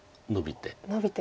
ノビて。